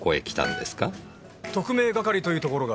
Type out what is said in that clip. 特命係というところがある。